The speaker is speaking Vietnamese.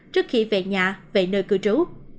trước khi về nhà về nơi cư trú